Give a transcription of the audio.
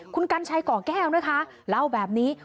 คุณกัญชัยก่อแก้วนะคะเล่าแบบนี้